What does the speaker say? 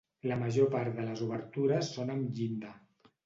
La major part de les obertures són amb llinda.